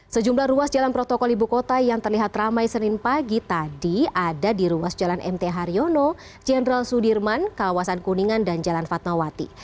sejumlah ruas jalan protokol ibu kota yang terlihat ramai senin pagi tadi ada di ruas jalan mt haryono jenderal sudirman kawasan kuningan dan jalan fatmawati